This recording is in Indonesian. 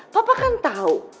papa kan tau